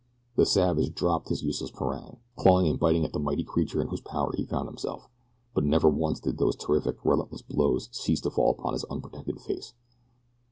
The savage dropped his useless parang clawing and biting at the mighty creature in whose power he found himself; but never once did those terrific, relentless blows cease to fall upon his unprotected face.